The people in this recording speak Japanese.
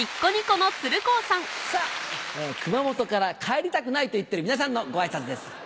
さぁ熊本から帰りたくないと言ってる皆さんのご挨拶です。